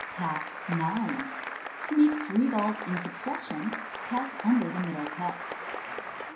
Pass IX. To make three Balls in Succession pass under thb Middle Cup.